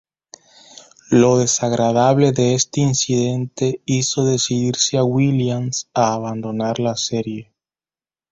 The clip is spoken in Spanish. Lo desagradable de este incidente hizo decidirse a Williams a abandonar la serie.